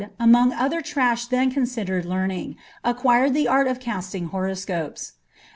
among other trash then considered learning, acquired the an of eastilf horoscopes.